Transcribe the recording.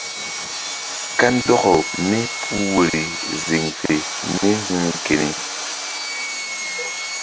Kandɔkaw mípuh woyri ziŋ fe mí hu̧h keni.